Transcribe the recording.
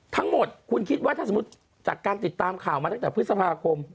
ทั้งหมดคุณคิดว่าถ้าสมมุติจากการติดตามข่าวมาตั้งแต่พฤษภาคม